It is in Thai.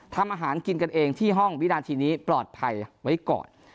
ทำอาหารกินกันเองที่ห้องวินาทีนี้ปลอดภัยไว้ก่อน